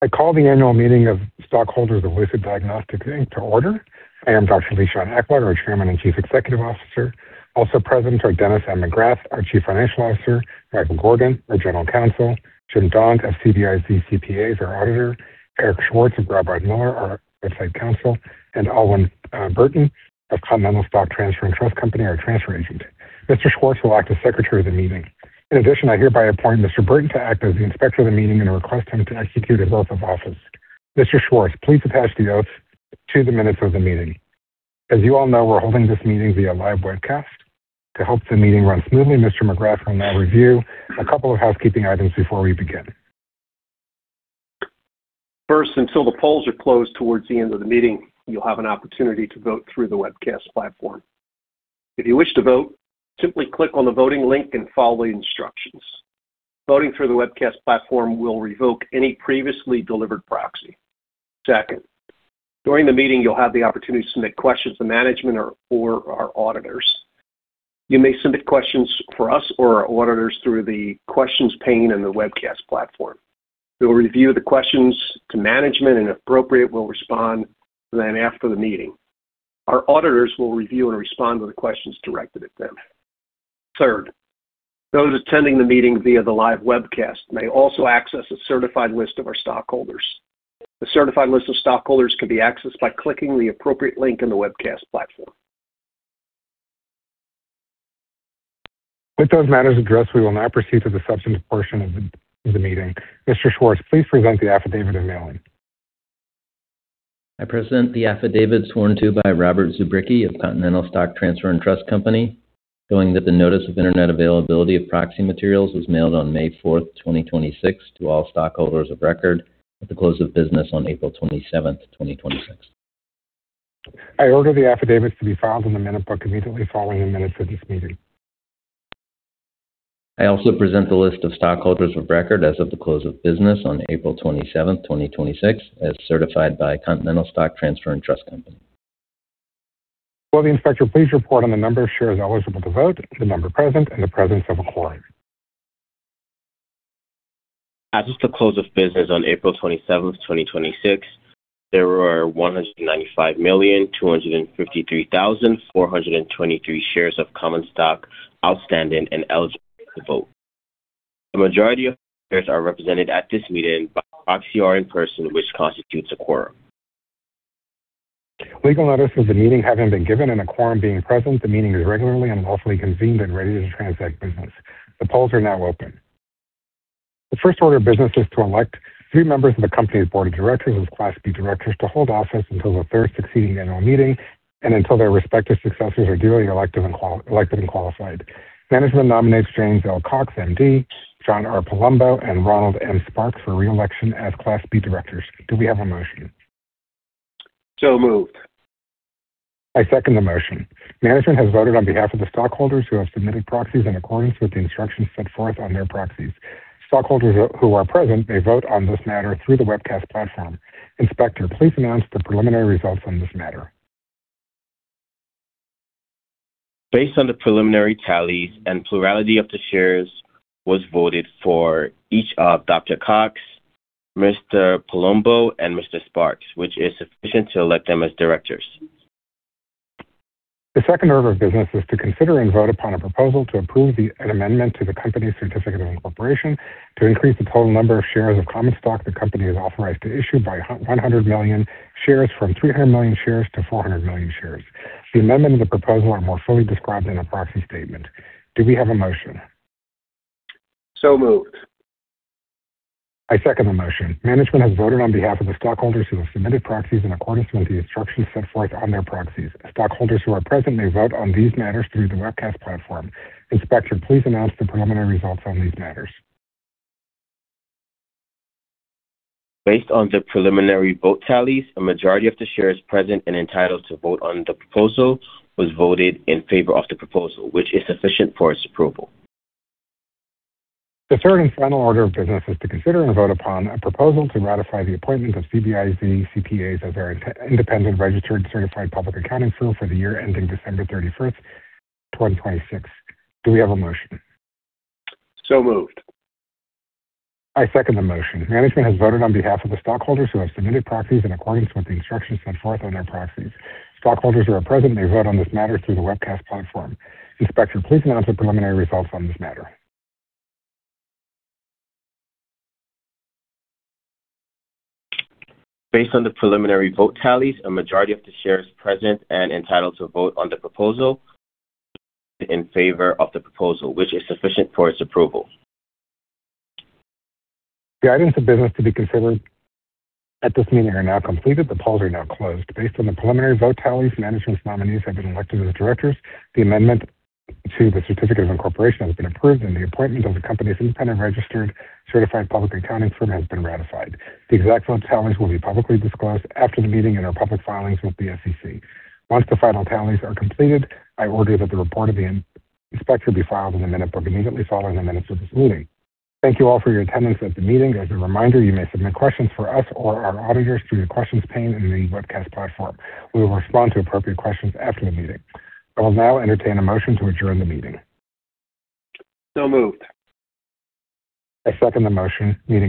I call the annual meeting of stockholders of Lucid Diagnostics, Inc. to order. I am Dr. Lishan Aklog, our Chairman and Chief Executive Officer. Also present are Dennis M. McGrath, our Chief Financial Officer, Michael Gordon, our General Counsel, Jim Daunt of CBIZ CPAs, our Auditor, Eric Schwartz of Graubard Miller, our Outside Counsel, and Alwyn Burton of Continental Stock Transfer & Trust Company, our Transfer Agent. Mr. Schwartz will act as secretary of the meeting. I hereby appoint Mr. Burton to act as the inspector of the meeting and request him to execute his oath of office. Mr. Schwartz, please attach the oath to the minutes of the meeting. As you all know, we're holding this meeting via live webcast. To help the meeting run smoothly, Mr. McGrath will now review a couple of housekeeping items before we begin. First, until the polls are closed towards the end of the meeting, you'll have an opportunity to vote through the webcast platform. If you wish to vote, simply click on the voting link and follow the instructions. Voting through the webcast platform will revoke any previously delivered proxy. Second, during the meeting, you'll have the opportunity to submit questions to management or our auditors. You may submit questions for us or our auditors through the questions pane in the webcast platform. We will review the questions to management, and if appropriate, we'll respond then after the meeting. Our auditors will review and respond to the questions directed at them. Third, those attending the meeting via the live webcast may also access a certified list of our stockholders. The certified list of stockholders can be accessed by clicking the appropriate link in the webcast platform. With those matters addressed, we will now proceed to the substantive portion of the meeting. Mr. Schwartz, please present the affidavit of mailing. I present the affidavit sworn to by Robert Zubricki of Continental Stock Transfer & Trust Company, showing that the notice of Internet availability of proxy materials was mailed on May 4th, 2026, to all stockholders of record at the close of business on April 27th, 2026. I order the affidavits to be filed in the minute book immediately following the minutes of this meeting. I also present the list of stockholders of record as of the close of business on April 27th, 2026, as certified by Continental Stock Transfer & Trust Company. Will the inspector please report on the number of shares eligible to vote, the number present, and the presence of a quorum? As of the close of business on April 27th, 2026, there were 195,253,423 shares of common stock outstanding and eligible to vote. The majority of shares are represented at this meeting by proxy or in person, which constitutes a quorum. Legal notice of the meeting having been given and a quorum being present, the meeting is regularly and lawfully convened and ready to transact business. The polls are now open. The first order of business is to elect three members of the company's board of directors as Class B directors to hold office until the third succeeding annual meeting and until their respective successors are duly elected and qualified. Management nominates James L. Cox, MD, John R. Palumbo, and Ronald M. Sparks for re-election as Class B directors. Do we have a motion? Moved. I second the motion. Management has voted on behalf of the stockholders who have submitted proxies in accordance with the instructions set forth on their proxies. Stockholders who are present may vote on this matter through the webcast platform. Inspector, please announce the preliminary results on this matter. Based on the preliminary tallies, a plurality of the shares was voted for each of Dr. Cox, Mr. Palumbo, and Mr. Sparks, which is sufficient to elect them as directors. The second order of business is to consider and vote upon a proposal to approve an amendment to the company's certificate of incorporation to increase the total number of shares of common stock the company is authorized to issue by 100 million shares, from 300 million shares to 400 million shares. The amendment and the proposal are more fully described in a proxy statement. Do we have a motion? Moved. I second the motion. Management has voted on behalf of the stockholders who have submitted proxies in accordance with the instructions set forth on their proxies. Stockholders who are present may vote on these matters through the webcast platform. Inspector, please announce the preliminary results on these matters. Based on the preliminary vote tallies, a majority of the shares present and entitled to vote on the proposal was voted in favor of the proposal, which is sufficient for its approval. The third and final order of business is to consider and vote upon a proposal to ratify the appointment of CBIZ CPAs as our independent registered certified public accounting firm for the year ending December 31st, 2026. Do we have a motion? Moved. I second the motion. Management has voted on behalf of the stockholders who have submitted proxies in accordance with the instructions set forth on their proxies. Stockholders who are present may vote on this matter through the webcast platform. Inspector, please announce the preliminary results on this matter. Based on the preliminary vote tallies, a majority of the shares present and entitled to vote on the proposal voted in favor of the proposal, which is sufficient for its approval. The items of business to be considered at this meeting are now completed. The polls are now closed. Based on the preliminary vote tallies, management's nominees have been elected as directors, the amendment to the certificate of incorporation has been approved, and the appointment of the company's independent registered certified public accounting firm has been ratified. The exact vote tallies will be publicly disclosed after the meeting in our public filings with the SEC. Once the final tallies are completed, I order that the report of the inspector be filed in the minute book immediately following the minutes of this meeting. Thank you all for your attendance at the meeting. As a reminder, you may submit questions for us or our auditors through the questions pane in the webcast platform. We will respond to appropriate questions after the meeting. I will now entertain a motion to adjourn the meeting. Moved. I second the motion.